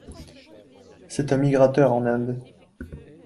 C'est un migrateur en Inde.